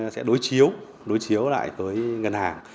sẽ đối chiếu đối chiếu lại với ngân hàng